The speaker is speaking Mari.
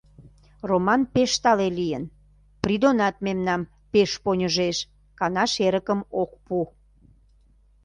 Роман пеш тале лийын, Придонат мемнам пеш поньыжеш, канаш эрыкым ок пу.